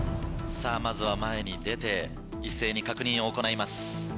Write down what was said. さぁまずは前に出て一斉に確認を行います。